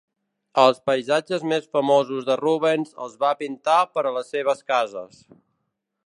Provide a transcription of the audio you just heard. Els paisatges més famosos de Rubens els va pintar per a les seves cases.